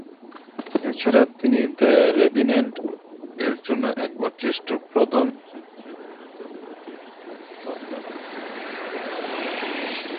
এছাড়া তিনি "দ্য রেভেন্যান্ট"-এর জন্য একবার শ্রেষ্ঠ প্রধান চরিত্রে অভিনেতা বিভাগে বাফটা পুরস্কার অর্জন করেন।